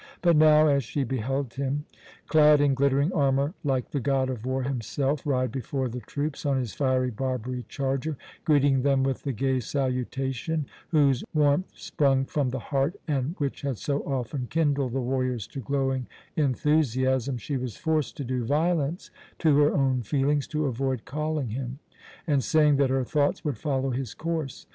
But now, as she beheld him, clad in glittering armour like the god of war himself, ride before the troops on his fiery Barbary charger, greeting them with the gay salutation whose warmth sprung from the heart and which had so often kindled the warriors to glowing enthusiasm, she was forced to do violence to her own feelings to avoid calling him and saying that her thoughts would follow his course.